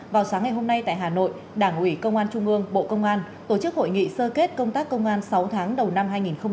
vào sáng ngày hôm nay tại hà nội đảng ủy công an trung ương bộ công an tổ chức hội nghị sơ kết công tác công an sáu tháng đầu năm hai nghìn hai mươi ba